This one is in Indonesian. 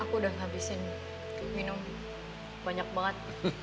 aku udah ngabisin minum banyak banget